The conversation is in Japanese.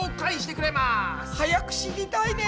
早く知りたいね。